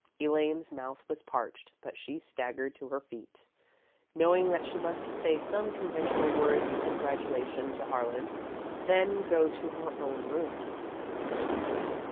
Elaine's mouth was parched, but she staggered to her feet, knowing that she must say some conventional words of congratulation to Harlan, then go to her own room.